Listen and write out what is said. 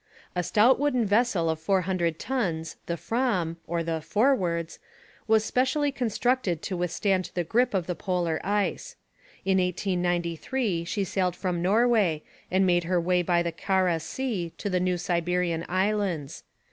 A stout wooden vessel of four hundred tons, the Fram (or the Forwards), was specially constructed to withstand the grip of the polar ice. In 1893 she sailed from Norway and made her way by the Kara Sea to the New Siberian Islands.